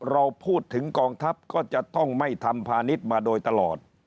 เราพูดถึงกองทัพก็จะต้องไม่ทำพาณิชย์มาโดยตลอด